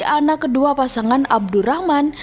anak kedua pasangan abdurrahman